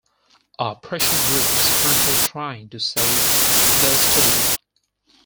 A pressure group is currently trying to save the studio.